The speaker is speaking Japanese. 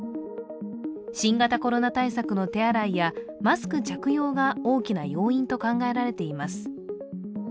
新型コロナ対策の手洗いやマスク着用が大きな要因と考えられています。